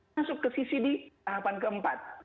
masuk ke sisi di tahapan keempat